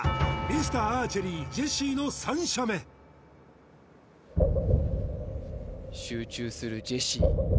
ミスターアーチェリージェシーの３射目集中するジェシー